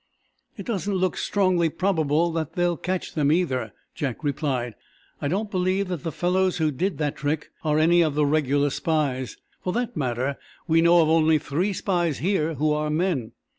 "It doesn't look strongly probable that they'll catch them, either," Jack replied. "I don't believe that the fellows who did that trick are any of the regular spies. For that matter, we now of only three spies here who are men.